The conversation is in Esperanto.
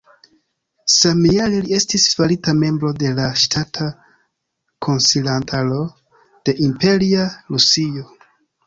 Samjare, li estis farita membro de la Ŝtata Konsilantaro de Imperia Rusio.